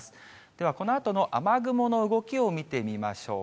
ではこのあとの雨雲の動きを見てみましょう。